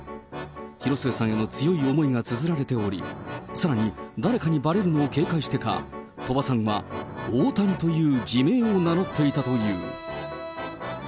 広末さんへの強い思いがつづられており、さらに、誰かにばれるのを警戒してか、鳥羽さんはオータニという偽名を名乗っていたという。